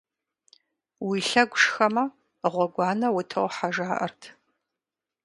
Уи лъэгу шхэмэ, гъуэгуанэ утохьэ жаӀэрт.